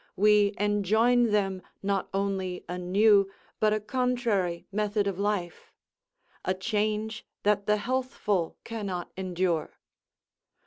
We enjoin them not only a new, but a contrary, method of life; a change that the healthful cannot endure.